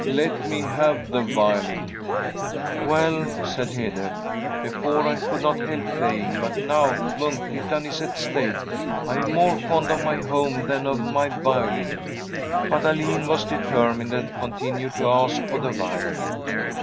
Let me have the violin.' ' Well,' said Hede, ' before I could not help playing, but now Munkhyttan is at stake ; I am more fond of my home than of my violin.' But Alin was determined, and continued to ask for the violin.